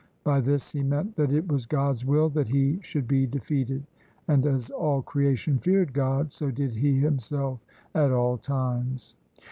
By this he meant that it was God's will that he should be defeated, and as all creation feared God, so did he himself at all times.